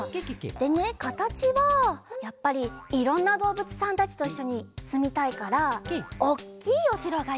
でねかたちはやっぱりいろんなどうぶつさんたちといっしょにすみたいからおっきいおしろがいいかな。